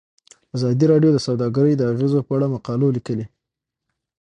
ازادي راډیو د سوداګري د اغیزو په اړه مقالو لیکلي.